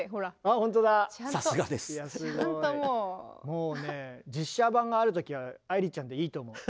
もうね実写版がある時は愛理ちゃんでいいと思う。